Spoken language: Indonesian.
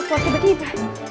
keluar begitu besar